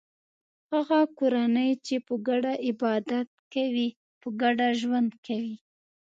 هغه کورنۍ چې په ګډه عبادت کوي په ګډه ژوند کوي.